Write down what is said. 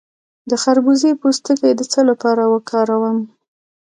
د خربوزې پوستکی د څه لپاره وکاروم؟